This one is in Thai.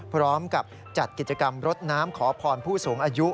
พร้อมกับจัดกิจกรรมรถน้ำขอพรผู้สูงอายุ